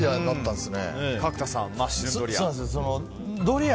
角田さんマッシュルームドリア。